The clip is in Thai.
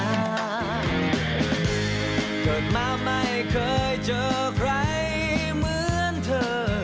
เกิดมาไม่เคยเจอใครเหมือนเธอ